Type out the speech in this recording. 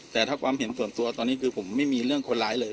แต่ถ้าความเห็นส่วนตัวตอนนี้คือผมไม่มีเรื่องคนร้ายเลย